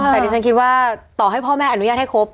แต่ดิฉันคิดว่าต่อให้พ่อแม่อนุญาตให้ครบ